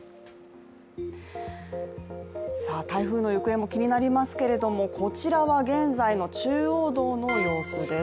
台風の行方も気になりますけれども、こちらは現在の中央道の様子です。